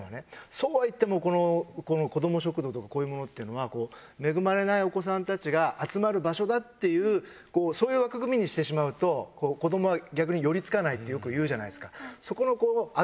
そうは言っても子ども食堂とかこういうものっていうのは恵まれないお子さんたちが集まる場所だっていうそういう枠組みにしてしまうと子どもは逆に寄り付かないってよく言うじゃないですか。